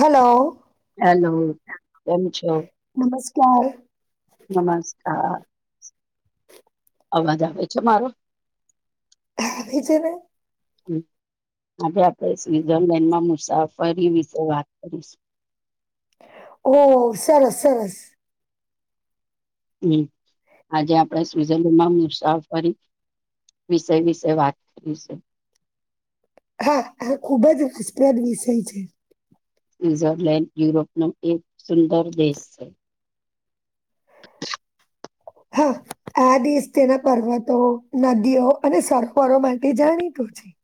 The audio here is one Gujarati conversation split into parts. હેલો હેલો કેમ છો ચારે નમસ્કાર અવાજ આવે છે મારો હ ભીજને હમ આજે આપણે સ્વિઝરલેન્ડમાં મુસાફરી વિશે વાત કરીશું ઓહ સરસ સરસ હમ આજે આપણેે સ્વિઝરલેન્ડમાં મુસાફરી વિષય વિષય વાત કરી છે હા આ ખુબ જ રસપ્રદ વિષય છે. સ્વિટ્ઝરલેન્ડ યુરોપનો એક સુંદર દેશ છે. હા આ દિવસ તેના પર્વતો નદીઓ અને સરોવરો માટે જાણી હતું [inaudible]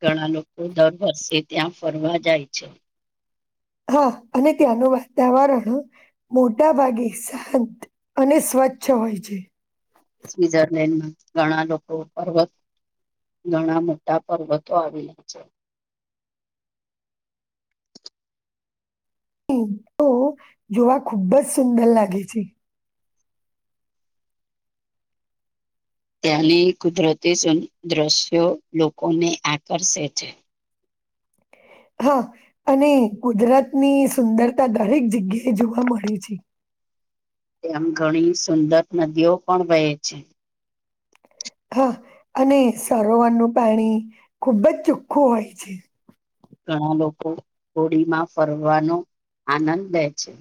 ઘણા લોકો દર વર્ષે ત્યાં ફરવા જાય છે. હા અને ત્યાંનું વાતાવરણ મોટા ભાગે શાંત અને સ્વ સ્વચ્છ હોય છે. સ્વિઝરલેન્ડમાં ઘણા લોકો પર્વત ઘણા મોટા પર્વતો આવેલા છે. હમ તો જોવા ખુબ જ સુંદર લાગે છે. ત્યાની કુદરતી સન દૃશ્યો લોકોને આકર્ષે છે. હા અને ગુજરાતની સુંદરતા દરેક જગ્યાએ જોવા મળે છે. તેમમ ઘણી સુંદર નદીઓ પણ વહે છે. હા અને સરોવરનું પાણી ખૂબ જ ચોખ્ખું હોય છે. ઘણા લોકો હોડી માં ફરવાનો આનંદ લે છે.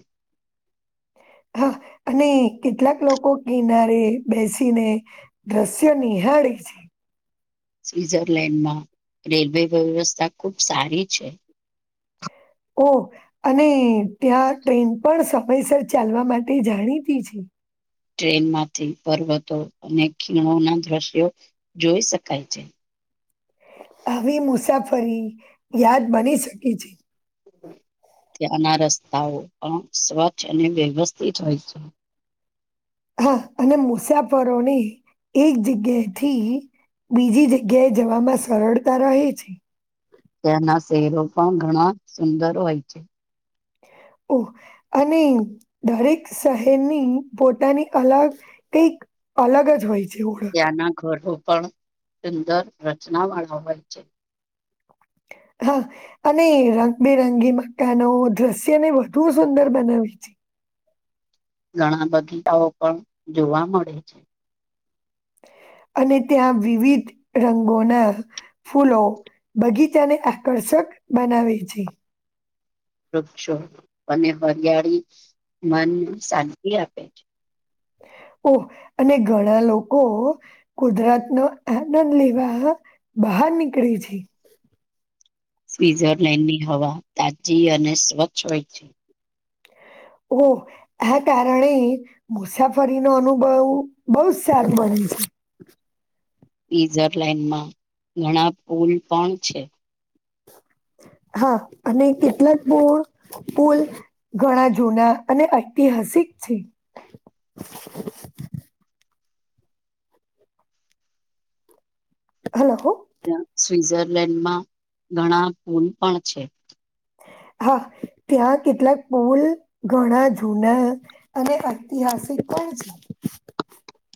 હા અને કેટલાક લોકો કિનારે બેસીને દ્રશ્યની નિહાળી છે. સ્વિઝરલેન્ડમાં રેલવે વ્યવસ્થા ખૂબ સારી છે. ઓ અને ત્યાં ટ્રેન પણ સમયસર ચાલવા માટે જાણીતી છે. ટ્રેન માંથી પર્વતો અને ખીણો ના દ્રશ્યો જોઈ શકાય છે. આવી મુસાફરી યાદ બની શકે છે. ત્યાંના રસ્તાઓ પણ સ્વચ્છ અને વ્યવસ્થિત હોય છે. હા અને મુસાફરોને એક જગ્યા થી બીજી જગ્યાએ જવામાં સરળતા રહે છે. તેના શહેરો પણ ઘણા સુંદર હોય છે. ઓ અને દરેક શહેરની પોતાની અલગ કઈક અલગ જ હોય છે. ઓળખ ત્યાંના ઘરો પણ સુંદર રચના વાળા હોય છે. [inaudible] હા અને રંગબેરંગી મકાનો દ્રશ્યને વધુ સુંદર બનાવી છે. ઘણા બગીચાઓ પણ જોવા મળે છે. [inaudible] અને ત્યાં વિવિધ રંગોના ફૂલો બગીચાને આકર્ષક બનાવે છે. વૃક્ષો અને હરિયાળી મનને શાંતિ આપે છે. [inaudible] ઓ અને ઘણા લોકો ઓ કુદરાત નો આનંદ લેવા બહાર નીકળી છે. [inaudible] સ્વ્ઝરલેન્ડની હવા તાજી અને સ્વચ્છ હોય છે. ઓ આ કારણે મુસાફરીનોો અનુભવ બહુ જ સારો બને [inaudible] સ્ઝરલેન્ડમાં ઘણા પુલ પણ છે હા અને કેટલાક પુલ ઘણા જૂના અને અટ શીખ છેી હલો. સ્વિઝરલેન્ડમાં ઘણા પુલ પણ છે. હા ત્યાં કેટલાક પોલ ઘણા જૂના અને ઐતિહાસિક- [inaudible]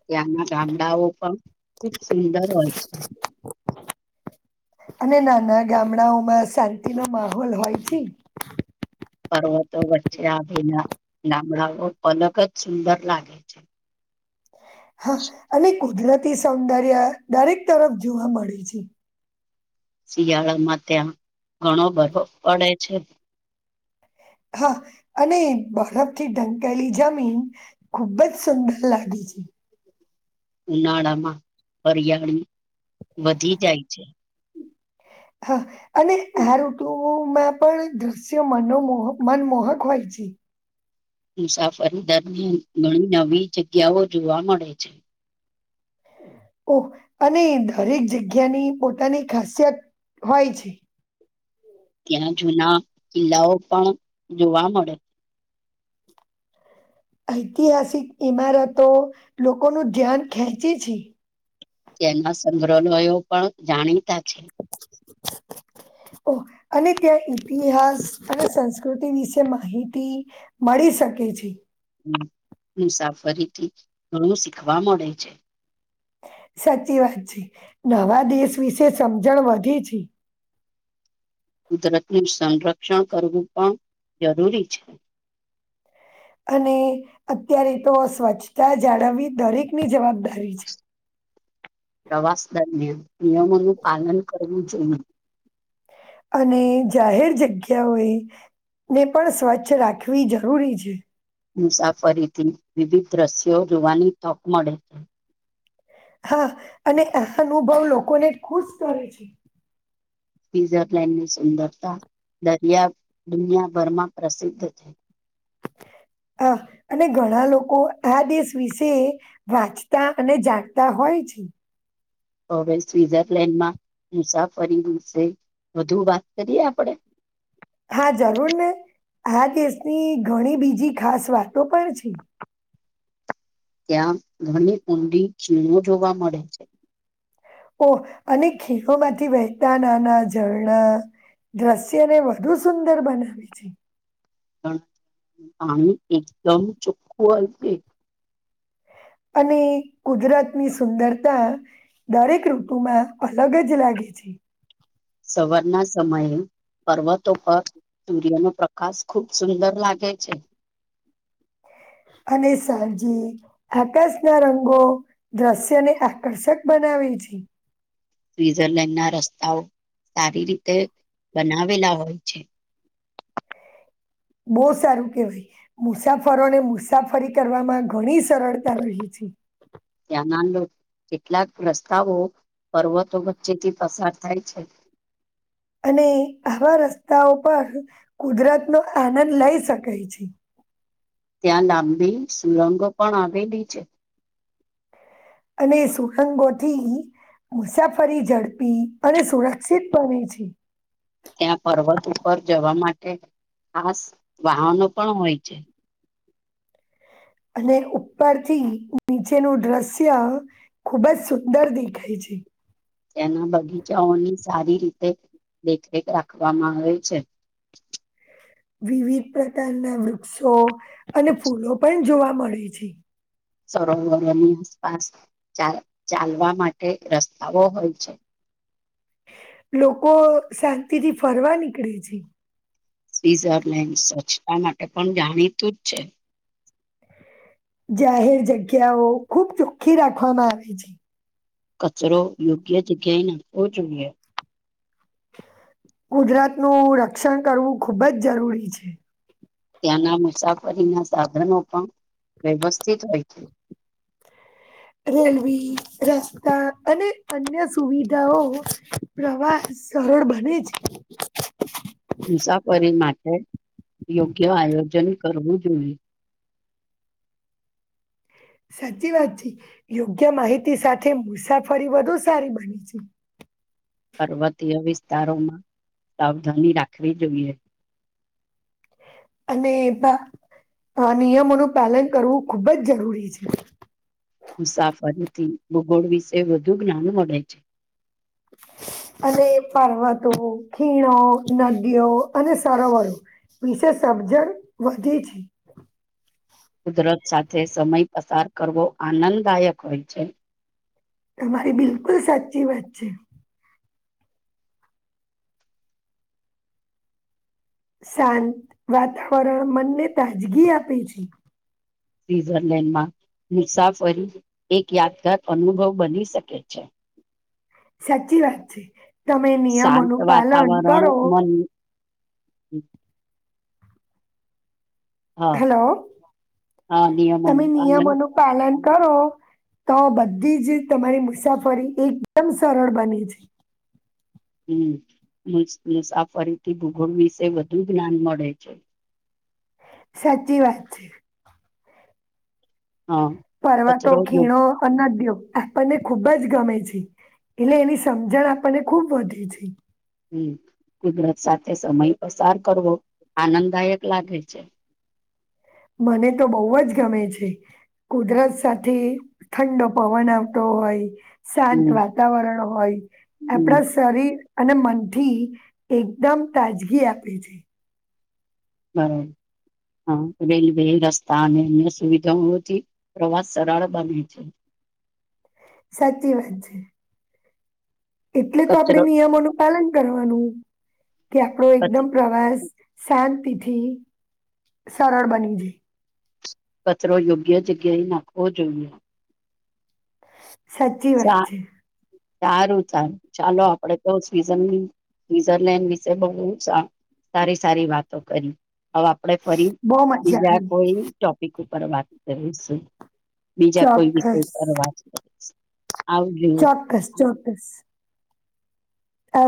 ત્યાંના ગામડાઓ પણ ખુબ સુંદર હોય છે. [inaudible] અને નાના ગામડાઓમાં શાંતિનો માહોલ હોય છે પર્વતો વચ્ચે આના ગામડાઓ અલક જ સુંદર લાગે છે હા અને કુદરતી સૌંદર્ય દરેક તરફ જોવા મળે છે શિયાળામાં ત્યાં ઘણો ભરો પડે છે હા અને બરફ થી ઢંકેલી જમીન ખુબ જ સુંદર લાગી જી. ઉનાળામાં હરિયાળી વધી જાય છે [inaudible] હા અને આ ઋતુમાં પણ દ્રશ્ય મનો મનમોહક હોય છે મુસાફરી દરની ઘણી નવી જગ્યાઓ જોવા મળે છે ઓહ અને દરેક જગ્યાની પોતાની ખાસિયત હોય છે ત્યાં જૂના કિલ્લાઓ પણ જોવા મળે ઐતિહાસિક ઈમારતો લોકોનું ધ્યાન ખેંચે છે તેના સંગ્રહાલયો પણ જાણીતા છે ઓ અને ત્યાં ઈતિહાસ અને સંસ્કૃતિ વિશે માહિતી મળી સકે છે હ મુસાફરીથી ઘણું શીખવા મળે છે સાચી વાત છે નવા દેશ વિશે સમજણ વધે છે કુદરતનું સંરક્ષણ કરવું પણ જરૂરી છે અને અત્યારે તો સ્વચ્છતા જાળવવી દરેકની જવાબદારી છે પ્રવાસ દરમિયાન નિયમોનું પાલન કરવું જોઈએ અને જાહેર જગ્યાઓએ ને પણ સ્વચ્છ રાખવી જરૂરી છે મુસાફરીથી વિવિધ દ્રશ્યો જોવાની તક મળે છે હા અને આ અનુભવ લોકોને જ ખુશ કરે છે સીઝર લઇન ની સુંદરતા દરિયા દુનિયાભરમાં પ્રસિદ્ધ છે હ અને ઘણા લોકો આ દેશ વિશે વાંચતા અને જાણતા હોય પછી હવે સ્વઝરલેન્ડમાં મુસાફરીશે વધુ વાત કરીએ આપડે હા જરૂર ને આ કેસની ઘણી બીજી ખાસ વાતો પણ છે ત્યાં ઘની કુંડી ચીણો જોવા મળે છે ઓ અને ખીઓ માંથી વહેતા નાના ઝરણા દ્રશ્યને વધુ સુંદર બનાવે છે. પાણી એકદમ ચોખ્ખું આવશે. અને કુજરાત ની સુંદરતા દરેક ઋતુમાં અલગ જ લાગે છે. સવારના સમયે પર્વતો પર સૂર્યનો પ્રકાશ ખૂબ સુંદર લાગે છે. [unintelligible] અને સાંજીે આકાશ ના રંગો દ્રશ્યને આકર્ષક બનાવી છે. સ્વિઝરલેન્ડના રસ્તાઓ સારી રીતે બનાવેલા હોય છે. [inaudible] બહ સારું કેહેવાય મુસાફરોને મુસાફરી કરવામાં ઘણી સરળતા રહી છે. [inaudible] એ ના કેટલાક રસ્તાઓ પર્વતો વચ્ચેથી પસાર થાય છે. અને આવા રસ્તાઓ પર કુદરતનો આનંદ લઈ શકાય છે. ત્યાં લાંબી સુરંગો પણ આવેલી છે. અને સુરંગોથી મુસાફરી ઝડપી અને સુરક્ષિત બને છે. ત્યાં પર્વત ઉપર જવા માટે ખાસ વાહનો પણ હોય છે. અને ઉપરથી નીચેનું દ્રશ્ય ખુબ જ સુંદર દેખાય. પી જી [unintelligible] તેના બગીચાઓની સારી રીતે દેખરેખ રાખવામાં આવે છે. વિવિધ પ્રકારના વૃક્ષો અને ફૂલો પણ જોવા મળે છે. સરોવરોની આસપાસ ચાલવા માટે રસ્તાઓ હોય છે. લોકો શાંતિ થી ફરવા નીકળે છે. સ્વઝરલેન્ડ સ્વચ્છતા માટે પણ જાણીતું જ છે. જાહેર જગ્યાઓ ખૂબ ચોખ્ખી રાખવામાં આવે છે. કચરો યોગ્ય જગ્યાએ નાખાવો જોઈએ. કુદરત નુ રક્ષણ કરવું ખુબ જ જરૂરી છે. ત્યાંના મુસાફરીના સાધનો પણ વ્યવસ્થિત હોય છે. રેલવે રસ્તા અને અન્ય સુવિધાઓ પ્રવાસ સરળ બને છે. [inaudible] મુસાફરી માટે યોગ્ય આયોજન કરવું જોઈએ. [inaudible] સાચી વાત છે યોગ્ય માહિતી સાથે મુસાફરી વધુ સારી બની છે. પર્વતીય વિસ્તારોમાં સાવધાની રાખવી જોઈએ. અને ભા આ નિયમોનું પાલન કરવું ખૂબ જ જરૂરી છે. મુસાફરીથી ભૂગોળ વિશે વધુ જ્ઞાન મળે છે. [inaudible] અને પર્વતો ખીણો નદીઓ અને સરોવરો વિશેષ સમજણ વધે છે. કુદરત સાથે સમય પસાર કરવો આનંદદાયક હોય છે. અમારી બિલકુલ સાચી વાત છે. શાંત વાતાવરણ મનને તાજગી આપે છે. સ્વિત્ઝરલેન્ડમાં મુસાફરી એક યાદગાર અનુભવ બની શકે છે. સાચી વાત છે તમે શાંત નિયમોનુ પાલન વાતાવરણ કરો. મન [unintelligible] હા હેલો હા તમે નિયમોનું પાલન નિયમો ન પાલન કરો. તો બધી જ તમારી મુસાફરી એકદમ સરળ બને છે, હમ્મ મુસાફરીથી ભૂગોળ વિશે વધુ જ્ઞાન મળે છે. સાચી વાત છે, હા. પર્વતો કચરો યોગ્ય ખીણો ન દ્યો આપણને ખુબ જ ગમે છે, એટલે એની સમજણ આપણને ખૂબ વધી છે. હમ્મ કુદરત સાથે સમય પસાર કરવો આનંદદાયક લાગે છે. મને તો બહુ જ ગમે છે. કુદરત સાથે ઠંડો પવન આવતો હોય, શાંત હમ વાતાવરણ હોય હમ આપણા શરીર અને મનથી એકદમ તાજગી આપે છે. હમ્મ હ રેલવે રસ્તા અને અન્ય સુવિધાઓથી પ્રવાસ સરળ બને છે, સાચી વાત છે, એટલે તો આપડણે કચરો નિયમોનું પાલન કરવાનું કે આપડો એકદમ કચ- પ્રવાસ શાંતિથી સરળ બની છે, કચરો યોગ્ય જગ્યાએ નાખવો જોઈએ, સાચી વાત સા છે, સારું થાર ચાલો આપડે તો સ્વઝલેન્ડ સ્વઝરલેન્ડ વિશે બહુ સારી સારી વાતો કરી, હવે આપણે ફરી બહુ મજા બીજા આવી. કોઈ ટોપિક ઉપર વાત કરીશું. બીજા કોઈ વિષય ચોક્કસ, પર વાત કરીશ. ચોક્કસ ચોક્કસ આભાર.